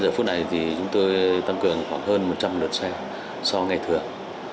giờ phút này thì chúng tôi tăng cường khoảng hơn một trăm linh lượt xe so ngày thường